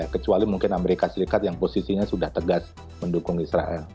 kecuali mungkin amerika serikat yang posisinya sudah tegas mendukung israel